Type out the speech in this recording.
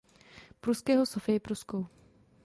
Pruského Sofii Pruskou.